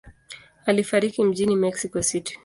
Alifariki mjini Mexico City.